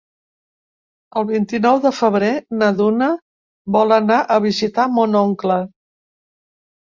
El vint-i-nou de febrer na Duna vol anar a visitar mon oncle.